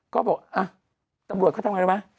ก็บอกตำรวจเขาทำอะไรไหม